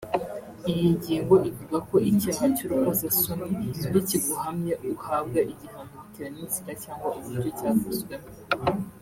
Iyi ngingo ivuga ko icyaha cy’urukozasoni iyo kiguhamye uhabwa igihano bitewe n’inzira cyangwa uburyo cyakozwemo